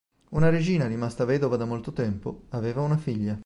Una regina, rimasta vedova da molto tempo, aveva una figlia.